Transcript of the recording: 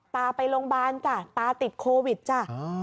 ตาไปโรงพยาบาลจ้ะตาติดโควิดจ้ะ